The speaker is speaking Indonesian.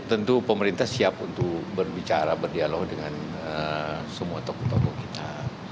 tentu pemerintah siap untuk berbicara berdialog dengan semua tokoh tokoh kita